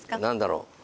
何だろう？